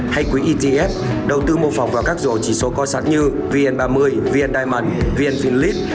hay quỹ etf đầu tư mô phỏng vào các dỗ chỉ số co sát như vn ba mươi vn diamond vn philips